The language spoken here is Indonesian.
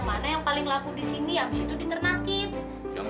born enka terus bisa untuk sembunyicom